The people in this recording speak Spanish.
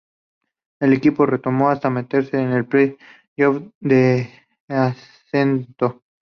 El equipo remontó hasta meterse en el playoff de ascenso.